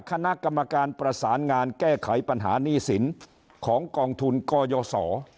คณะกรรมการประสานงานแก้ไขปัญหาหนี้สินของกองทุนกยศ